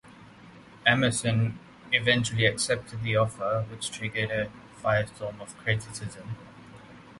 Emerson eventually accepted the offer, which triggered a firestorm of criticism.